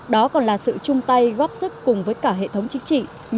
đó còn là sự chung tay góp sức cùng với cả hệ thống chính trị nhằm đẩy lùi dịch bệnh